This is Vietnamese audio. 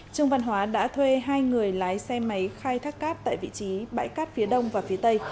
trương văn hóa đã thuê hai người lái xe máy khai thác cát tại vị trí bãi cát phía đông và phía tây